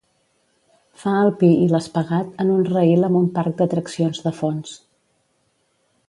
Fa el pi i l'espagat en un raïl amb un parc d'atraccions de fons.